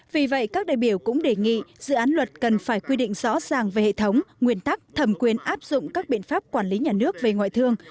vì vậy các đại biểu cũng đề nghị dự án luật cần phải quy định rõ ràng về hệ thống nguyên tắc thẩm quyền áp dụng các biện pháp quản lý nhà nước về ngoại thương